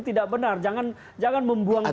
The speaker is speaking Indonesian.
tidak benar jangan membunuhkan